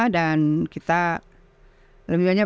dan kita lebih banyak